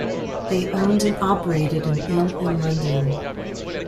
They owned and operated an inn in London.